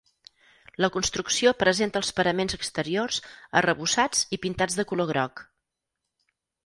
La construcció presenta els paraments exteriors arrebossats i pintats de color groc.